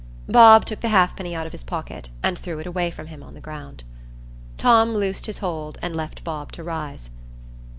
Bob took the halfpenny out of his pocket, and threw it away from him on the ground. Tom loosed his hold, and left Bob to rise.